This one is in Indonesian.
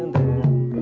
lanjut lah ya